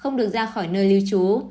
không được ra khỏi nơi ly trú